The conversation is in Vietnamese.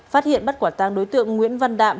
phát hiện bắt quả tang đối tượng nguyễn văn đạm